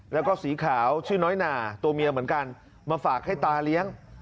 แล้วก็สีขาวชื่อน้อยหนาตัวเมียเหมือนกันมาฝากให้ตาเลี้ยง